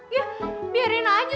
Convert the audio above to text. ya biarin aja